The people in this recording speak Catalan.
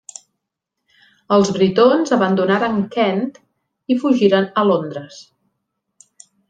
Els britons abandonaren Kent i fugiren a Londres.